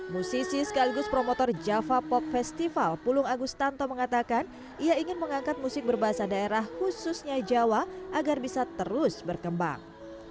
musisi sekaligus promotor java pop festival pulung agustanto mengatakan ia ingin mengangkat musik berbahasa daerah khususnya jawa agar bisa terus berkembang